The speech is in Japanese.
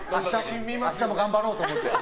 明日も頑張ろうと思って。